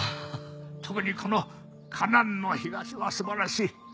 特にこの『カナンの東』は素晴らしい。